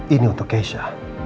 ini untuk keisha